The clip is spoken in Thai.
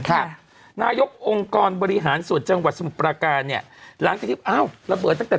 ค่ะนายกองค์กรบริหารส่วนจังหวัดสมุทรปราการเนี่ยหลังจากที่อ้าวระเบิดตั้งแต่